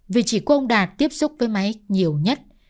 vì chỉ có ông đạt tiếp xúc với máy nhiều nhất